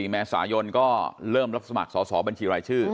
เมษายนก็เริ่มรับสมัครสอบบัญชีรายชื่อ